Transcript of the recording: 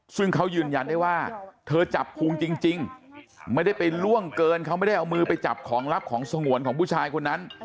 ซึ่งเขายืนยันได้ว่าเธอจับพุงจริงไม่ได้ไปล่วงเกินเขาไม่ได้เอามือไปจับของลับของสงวนของผู้ชายคนนั้น